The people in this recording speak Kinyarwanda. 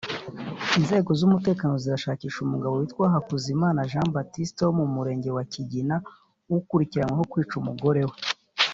Inzego z’umutekano zirashakisha umugabo witwa Hakuzimana Jean Baptiste wo mu Murenge wa Kigina ukurikiranyweho kwica umugore we